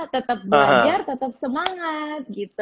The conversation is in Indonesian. tetap belajar tetap semangat